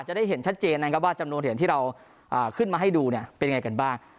จะได้เห็นชัดเจนนะครับว่าจำนวนเหรียญที่เราขึ้นมาให้ดูเนี่ยเป็นยังไงกันบ้าง